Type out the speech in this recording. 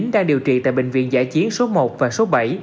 đang điều trị tại bệnh viện giã chiến số một và số bảy